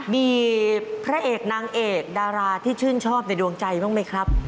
มีพระเอกนางเอกดาราที่ชื่นชอบในดวงใจบ้างไหมครับ